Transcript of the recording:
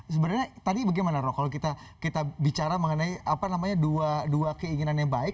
sebenarnya tadi bagaimana roh kalau kita bicara mengenai dua keinginan yang baik